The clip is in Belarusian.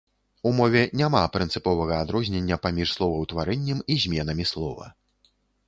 У мове няма прынцыповага адрознення паміж словаўтварэннем і зменамі слова.